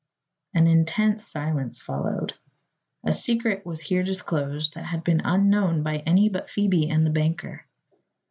'" An intense silence followed. A secret was here disclosed that had been unknown by any but Phoebe and the banker.